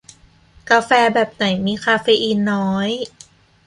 กาแฟแบบไหนมีคาเฟอีนน้อย